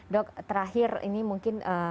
dok terakhir ini mungkin